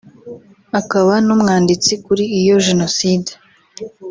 akaba n’umwanditsi kuri iyo Jenoside